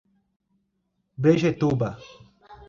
Brejetuba